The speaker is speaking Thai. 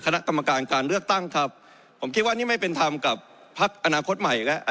คณะกรรมการการเลือกตั้งครับผมคิดว่านี่ไม่เป็นธรรมกับพักอนาคตใหม่อีกแล้ว